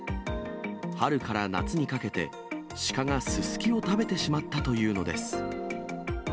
春から夏にかけて、シカがススキを食べてしまったというのです。